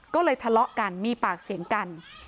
ก็เลยทะเลาะกันมีปากเสียงกัน